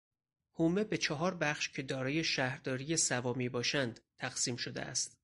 حومه به چهار بخش که دارای شهرداری سوا میباشند تقسیم شده است.